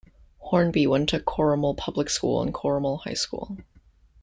Hornby went to Corrimal Public School and Corrimal High School.